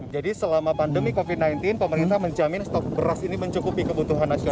jadi selama pandemi covid sembilan belas pemerintah menjamin stok beras ini mencukupi kebutuhan nasional